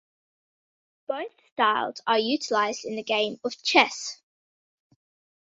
Both styles are utilized in the game of chess.